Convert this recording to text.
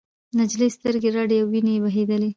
نجلۍ سترګې رډې او وینې بهېدلې.